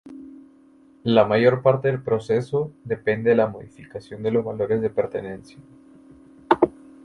La mayor parte del proceso depende de la modificación de los valores de pertenencia.